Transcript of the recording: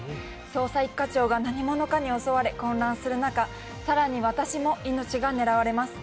捜査一課長が何者かに襲われ混乱する中、更に私も命が狙われます。